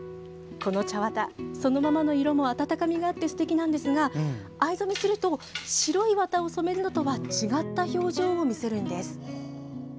この茶綿、そのままの色も暖かみがあってすてきなんですが藍染めすると白い綿を染めるのとは違った表情を見せるんです。